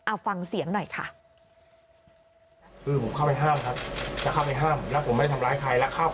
เอาฟังเสียงหน่อยค่ะ